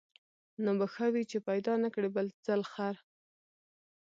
نو به ښه وي چي پیدا نه کړې بل ځل خر